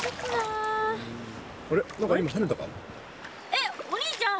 えっお兄ちゃん